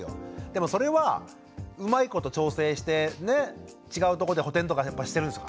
でもそれはうまいこと調整してね違うとこで補てんとかやっぱしてるんですか？